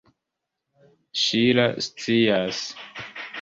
Ŝila scias.